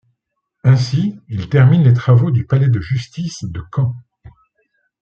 Ainsi, il termine les travaux du Palais de Justice de Caen.